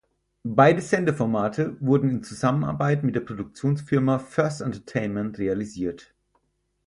Beide Sendeformate wurden in Zusammenarbeit mit der Produktionsfirma First Entertainment realisiert.